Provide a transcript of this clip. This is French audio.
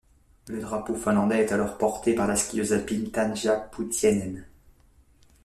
Le drapeau finlandais est alors porté par la skieuse alpine Tanja Poutiainen.